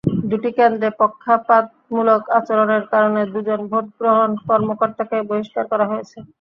দুটি কেন্দ্রে পক্ষপাতমূলক আচরণের কারণে দুজন ভোট গ্রহণ কর্মকর্তাকে বহিষ্কার করা হয়েছে।